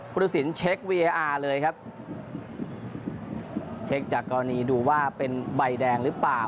รสินเช็ควีเออาร์เลยครับเช็คจากกรณีดูว่าเป็นใบแดงหรือเปล่า